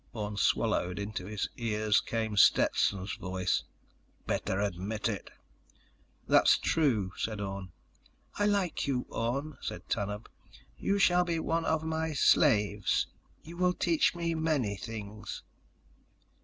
Orne swallowed. Into his ears came Stetson's voice: "Better admit it." "That's true," said Orne. "I like you, Orne," said Tanub. "You shall be one of my slaves. You will teach me many things."